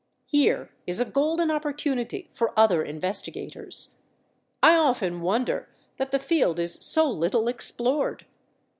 Here is a golden opportunity for other investigators: I often wonder that the field is so little explored.